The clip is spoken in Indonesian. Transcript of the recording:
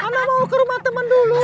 anna mau ke rumah temen dulu